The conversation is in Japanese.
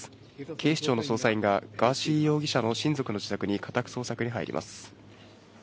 警視庁の捜査員がガーシー容疑者の親族の自宅に家宅捜索に入ります。